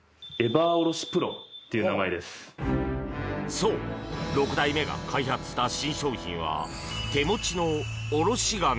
そう、６代目が開発した新商品は、手持ちのおろし金。